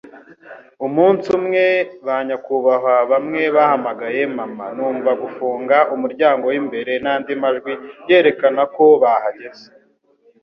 Umunsi umwe, banyakubahwa bamwe bahamagaye mama, numva gufunga umuryango w'imbere n'andi majwi yerekana ko bahageze.